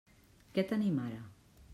Què tenim ara?